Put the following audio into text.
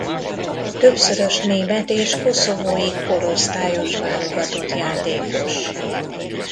Többszörös német és koszovói korosztályos válogatott játékos.